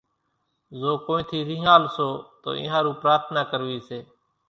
زو ڪونئين ٿي رينۿال سو تو اين ۿارُو پرارٿنا ڪروي سي